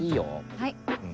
はい。